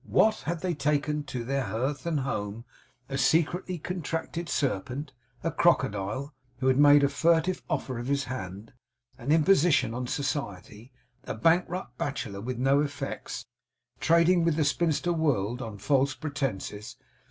What! Had they taken to their hearth and home a secretly contracted serpent; a crocodile, who had made a furtive offer of his hand; an imposition on society; a bankrupt bachelor with no effects, trading with the spinster world on false pretences!